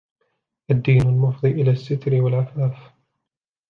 الدِّينُ الْمُفْضِي إلَى السِّتْرِ وَالْعَفَافِ